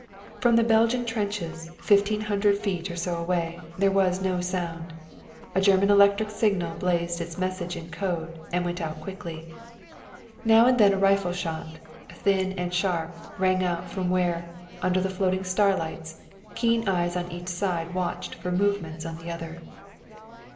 From the Belgian trenches, fifteen hundred feet or so away, there was no sound. A German electric signal blazed its message in code, and went out quickly. Now and then a rifle shot, thin and sharp, rang out from where, under the floating starlights, keen eyes on each side watched for movements on the other.